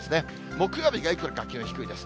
木曜日がいくらか気温低いです。